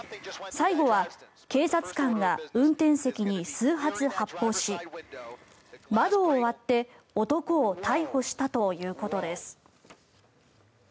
最後は警察官が運転席に数発発砲し窓を割って男を逮捕したということです。